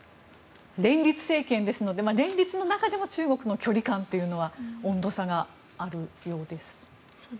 連立政権ですので連立の中でも中国との距離感というのは温度差があるようです。